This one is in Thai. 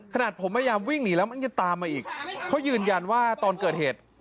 ขนาดผมพยายามวิ่งหนีแล้วมันยังตามมาอีกเขายืนยันว่าตอนเกิดเหตุ